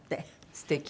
すてき。